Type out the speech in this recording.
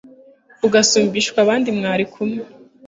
ugasumbishwa abandi mwari kumwe